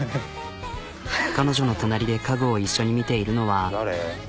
彼女の隣で家具を一緒に見ているのは。